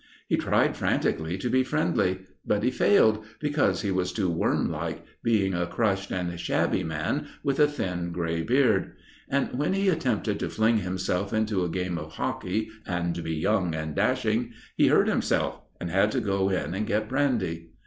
He tried frantically to be friendly; but he failed, because he was too wormlike, being a crushed and shabby man with a thin, grey beard. And when he attempted to fling himself into a game of hockey and be young and dashing, he hurt himself and had to go in and get brandy.